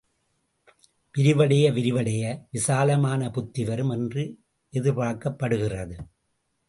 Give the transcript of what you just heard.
விரிவடைய விரிவடைய விசாலமான புத்தி வரும் என்று எதிர்பார்க்கப் படுகிறது.